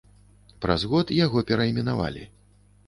Праз год яго перайменавалі.